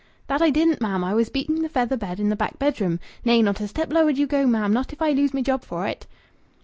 "That I didn't, ma'am! I was beating the feather bed in the back bedroom. Nay, not a step lower do you go, ma'am, not if I lose me job for it."